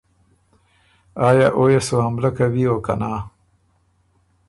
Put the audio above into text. آیا او يې سو حملۀ کوی او که نا۔